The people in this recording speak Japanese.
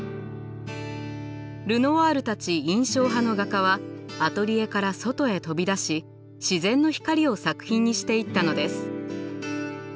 ルノワールたち印象派の画家はアトリエから外へ飛び出し自然の光を作品にしていったのです。